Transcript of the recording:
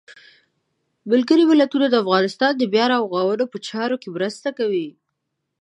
ملګري ملتونه د افغانستان د بیا رغاونې په چارو کې مرسته کوي.